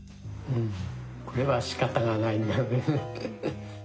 うんこれはしかたがないんだね。